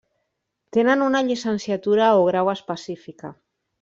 Tenen una llicenciatura o grau específica.